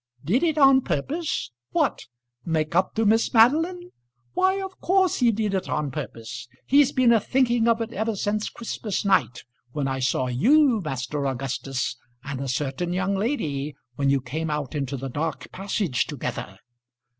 "Did it on purpose? What; make up to Miss Madeline? Why, of course he did it on purpose. He's been a thinking of it ever since Christmas night, when I saw you, Master Augustus, and a certain young lady when you came out into the dark passage together."